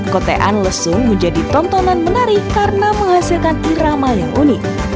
kotean lesung menjadi tontonan menarik karena menghasilkan irama yang unik